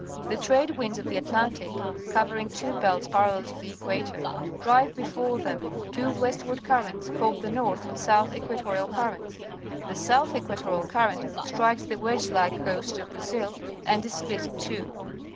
The trade winds of the Atlantic, covering two belts parallel to the equator, driA e before them two westward currents, called the North and Soulli Equatorial Currents. 'rhe^ South Equatorial Current strikes the wedge like coast of Brazil and is split in two.